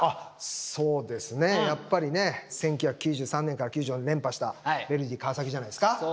そうですねやっぱりね１９９３年から１９９４年連覇したヴェルディ川崎じゃないですか。